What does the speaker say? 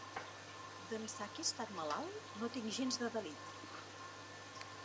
D'ençà que he estat malalt no tinc gens de delit.